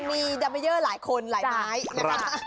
ดัมเมเยอร์หลายคนหลายไม้นะคะ